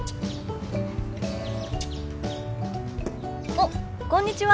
おっこんにちは。